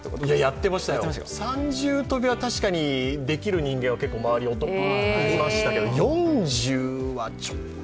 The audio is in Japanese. やってましたよ、３重跳びは確かにできる人間は周りにいましたけど、４重はちょっと。